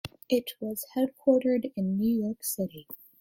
It was headquartered in New York City.